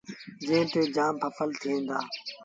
جݩهݩ تي جآم ڦسل ٿئيٚݩ دآ۔